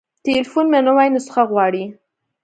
تليفون مې نوې نسخه غواړي.